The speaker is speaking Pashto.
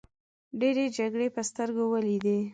ډیرې جګړې په سترګو ولیدې.